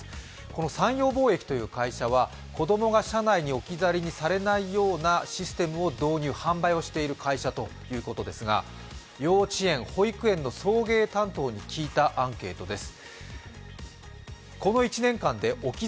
この三洋貿易という会社は子供が車内に置き去りにされないようなシステムを導入、販売している会社ということですが幼稚園、保育園の送迎担当に聞いたアンケートです。